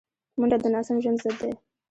منډه د ناسم ژوند ضد ده